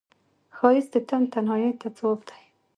ښایست د تن تنهایی ته ځواب دی